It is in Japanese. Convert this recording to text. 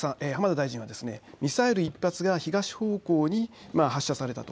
浜田大臣はミサイル１発が東方向に発射されたと。